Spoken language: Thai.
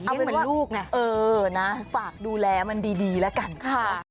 เอาเหมือนลูกไงเออนะฝากดูแลมันดีแล้วกันค่ะ